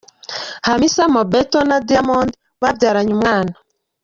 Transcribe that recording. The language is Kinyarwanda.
Hamisa Mobetto na Diamond babyaranye umwana.